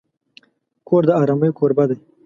کور د آرامۍ کوربه دی.